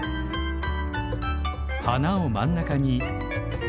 花を真ん中に。